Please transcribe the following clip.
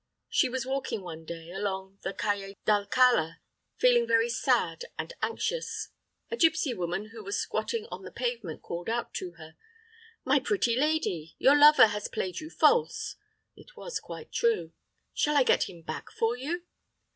She was walking one day along the Calle d'Alcala, feeling very sad and anxious. A gipsy woman who was squatting on the pavement called out to her, "My pretty lady, your lover has played you false!" (It was quite true.) "Shall I get him back for you?"